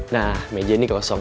nah meja ini kosong